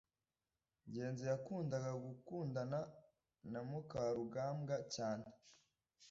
ngenzi yakundaga gukundana na mukarugambwa cyane